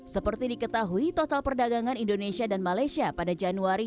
seperti diketahui total perdagangan indonesia dan malaysia pada januari